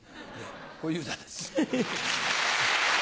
小遊三です。